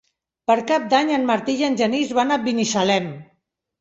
Per Cap d'Any en Martí i en Genís van a Binissalem.